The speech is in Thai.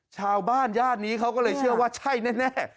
ญาตินี้เขาก็เลยเชื่อว่าใช่แน่